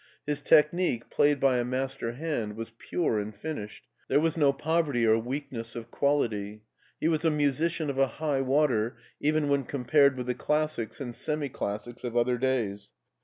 His technique, played by a master hand, was pure and finished; there was no pbverty or weakness of quality. He was a musician of a high water, even when compared with the classics and semi classics of other days.